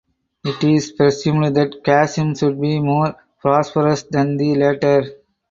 It is presumed that Kasim should be more prosperous than the latter.